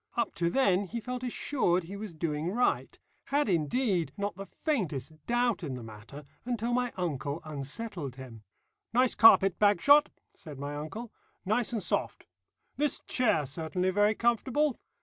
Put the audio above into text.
Up to then he felt assured he was doing right; had, indeed, not the faintest doubt in the matter until my uncle unsettled him. "Nice carpet, Bagshot," said my uncle, "nice and soft. This chair certainly very comfortable.